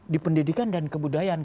di pendidikan dan kebudayaan